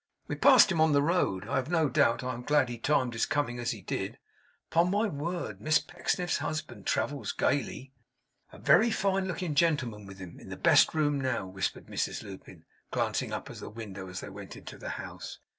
We passed him on the road, I have no doubt. I am glad he timed his coming as he did. Upon my word! Miss Pecksniff's husband travels gayly!' 'A very fine looking gentleman with him in the best room now,' whispered Mrs Lupin, glancing up at the window as they went into the house.